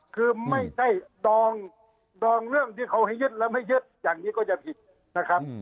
คือไม่ใช่ดองเรื่องที่เขาให้ยึดแล้วไม่ยึดอย่างนี้ก็จะผิดนะครับ